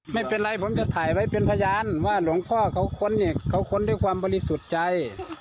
ไม่เป็นไรผมจะถ่ายไว้เป็นพยานว่าหลวงพ่อเขาค้นเนี่ยเขาค้นด้วยความบริสุทธิ์ใจ